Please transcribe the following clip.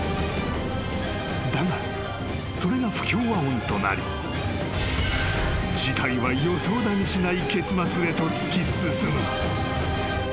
［だがそれが不協和音となり事態は予想だにしない結末へと突き進む］